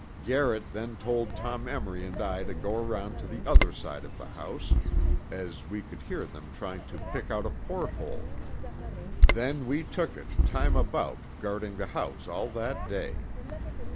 Garrett then told Tom Emory and I to go around to the other side of the house, as we could hear them trying to pick out a port hole. Then we took it, time about, guarding the house all that day.